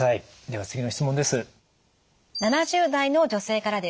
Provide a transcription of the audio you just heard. では次の質問です。